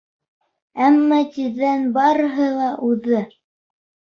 Әммә тиҙҙән барыһы ла уҙҙы.